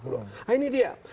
nah ini dia